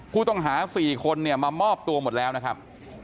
ผู้ต้องหา๔คนเนี่ยมามอบตัวหมดแล้วนะครับ